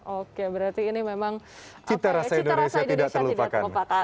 oke berarti ini memang cita rasa indonesia tidak terlupakan